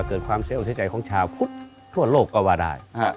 เกิดความเสียอาวุธใจของชาวทั่วโลกก็ว่าได้อ่า